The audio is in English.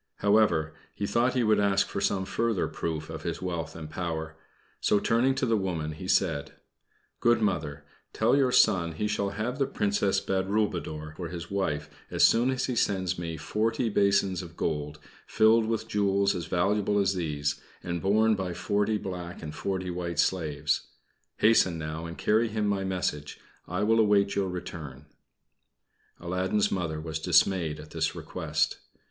However, he thought he would ask for some further proof of his wealth and power; so, turning to the woman, he said: "Good Mother, tell your son he shall have the Princess Badroulboudour for his wife as soon as he sends me forty basins of gold, filled with jewels as valuable as these, and borne by forty black and forty white slaves. Hasten now and carry him my message. I will await your return." Aladdin's Mother was dismayed at this request.